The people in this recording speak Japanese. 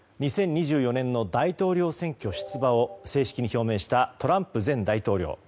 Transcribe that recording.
２０２４年の大統領選挙出馬を正式に表明したトランプ前大統領。